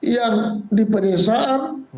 yang di pedesaan